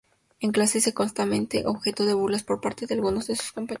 En clase, es constantemente objeto de burlas por parte de algunos de sus compañeros.